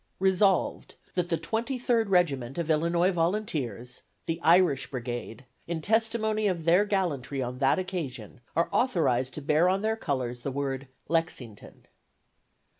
Resolved, That the Twenty third Regiment of Illinois Volunteers the Irish Brigade in testimony of their gallantry on that occasion are authorized to bear on their colors the word "Lexington."